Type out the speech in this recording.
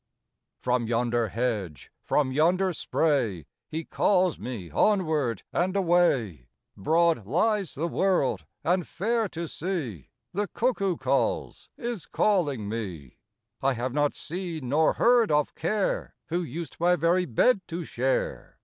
From yonder hedge, from yonder spray, He calls me onward and away; Broad lies the world and fair to see. The eucboo calls — ^is calling me! I have not seen nor heard of Care, Who used my very bed to share.